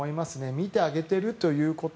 見てあげてるということ。